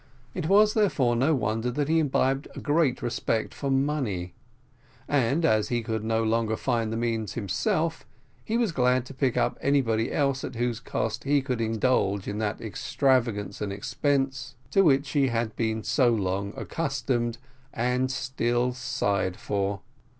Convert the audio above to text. It was therefore no wonder that he imbibed a great respect for money; and, as he could no longer find the means himself, he was glad to pick up anybody else at whose cost he could indulge in that extravagance and expense to which he had been so long accustomed, and still sighed for.